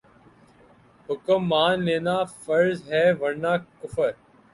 حکم مان لینا فرض ہے ورنہ کفر